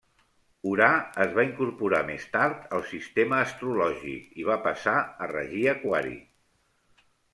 Urà es va incorporar més tard al sistema astrològic i va passar a regir Aquari.